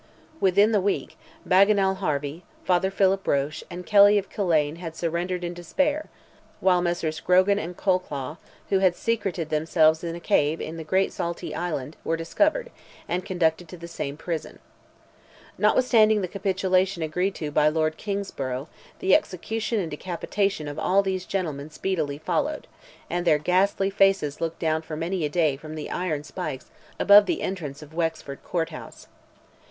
Within the week, Bagenal Harvey, Father Philip Roche, and Kelly of Killane, had surrendered in despair, while Messrs. Grogan and Colclough, who had secreted themselves in a cave in the great Saltee Island, were discovered, and conducted to the same prison. Notwithstanding the capitulation agreed to by Lord Kingsborough, the execution and decapitation of all these gentlemen speedily followed, and their ghastly faces looked down for many a day from the iron spikes above the entrance of Wexford Court House.